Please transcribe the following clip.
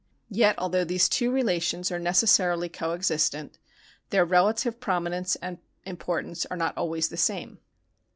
Yet although these two relations are necessarily co existent, their relative pro minence and importance are not always the same.